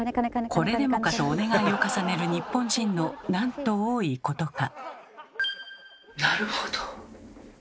これでもかとお願いを重ねる日本人のなんと多いことか。